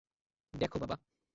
দেখো, বাবা!